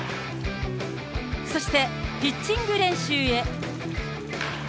そして、ピッチング練習へ。